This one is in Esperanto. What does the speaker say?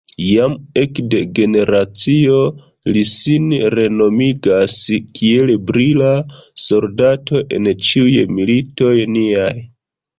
Jam ekde generacio li sin renomigas kiel brila soldato en ĉiuj militoj niaj.